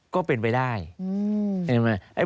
ก็เป็นไปได้